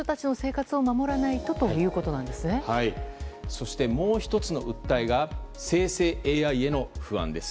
そして、もう１つの訴えが生成ＡＩへの不安です。